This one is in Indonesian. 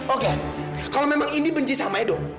oke kalau memang ini benci sama edo